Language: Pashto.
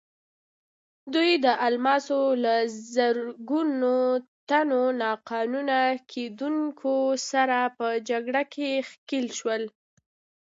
دوی د الماسو له زرګونو تنو ناقانونه کیندونکو سره په جګړه کې ښکېل شول.